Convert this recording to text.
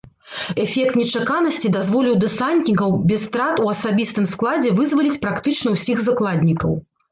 Эфект нечаканасці дазволіў дэсантнікам без страт у асабістым складзе вызваліць практычна ўсіх закладнікаў.